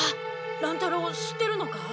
乱太郎知ってるのか？